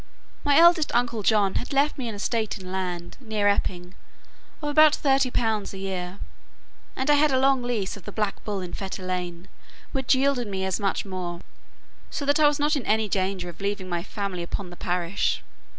My eldest uncle John had left me an estate in land, near Epping, of about thirty pounds a year; and I had a long lease of the Black Bull in Fetter Lane, which yielded me as much more; so that I was not in any danger of leaving my family upon the parish.